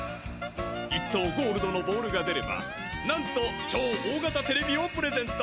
一等ゴールドのボールが出ればなんと超大型テレビをプレゼント。